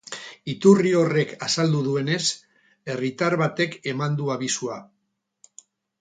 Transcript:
Iturri horrek azaldu duenez, herritar batek eman du abisua.